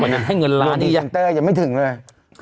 กว่านั้นให้เงินล้านอีกอย่างยังไม่ถึงเลย